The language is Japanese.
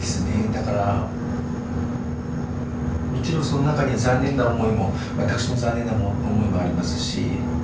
だからうーんもちろんその中には残念な思いも私の残念な思いもありますし。